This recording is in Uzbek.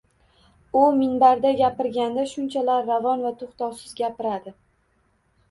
U minbarda gapirganda shunchalar ravon va to’xtovsiz gapiradi.